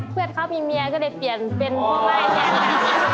เพื่อนเขามีเมียก็เลยเปลี่ยนเป็นพวกอะไรอย่างนี้